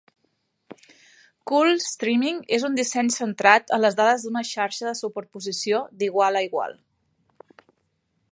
CoolStreaming és un disseny centrat en les dades d'una xarxa de superposició d'igual a igual.